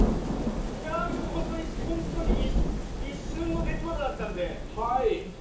ホントにホントに一瞬の出来事だったんで。